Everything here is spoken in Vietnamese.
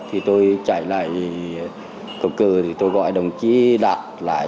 thì tôi chạy lại cổ cử tôi gọi đồng chí đạt lại